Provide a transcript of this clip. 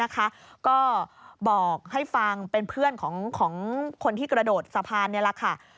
ก็บอกให้ฟังเป็นเพื่อนของคนที่กระโดดสะพานนี่แหละค่ะ